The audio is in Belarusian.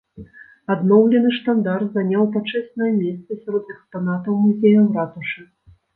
Адноўлены штандар заняў пачэснае месца сярод экспанатаў музея ў ратушы.